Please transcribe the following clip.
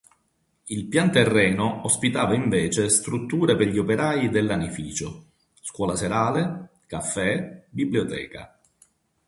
Il pianterreno ospitava invece strutture per gli operai del lanificio: scuola serale, caffè, biblioteca.